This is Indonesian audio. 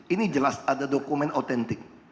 ini jelas ada dokumen otentik